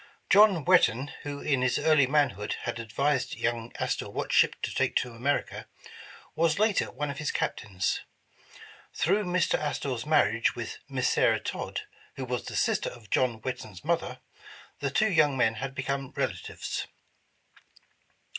John Whetten, w^ho in his early manhood, had advised young Astor what ship to take to America, was later one of his Captains. Through Mr. Astor 's marriage with Miss Sarah Todd, who was the sister of John Whetten 's mother, the two young men had become relatives.